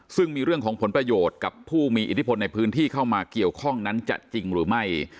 ซึ่งมีเรื่องของผลประโยชน์กับผู้มีอิทธิพลในพื้นที่เข้ามาเกี่ยวข้องนั้นจะจริงหรือไม่